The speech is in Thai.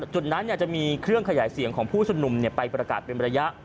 จุดนั้นจะมีเครื่องขยายเสียงของผู้ชุมนุมไปประกาศเป็นระยะ